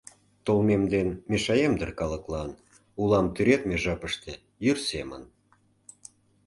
Толмем ден мешаем дыр калыклан, улам тӱредме жапыште йӱр семын.